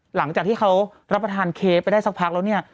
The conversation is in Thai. หลังจากที่เขารับประทานเค้กไปได้สักพักแล้วเนี่ย